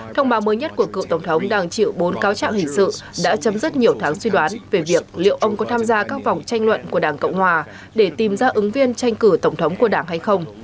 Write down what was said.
thông báo mới nhất của cựu tổng thống đang chịu bốn cáo trạng hình sự đã chấm dứt nhiều tháng suy đoán về việc liệu ông có tham gia các vòng tranh luận của đảng cộng hòa để tìm ra ứng viên tranh cử tổng thống của đảng hay không